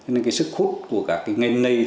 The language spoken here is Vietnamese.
nên sức khuất của các ngành này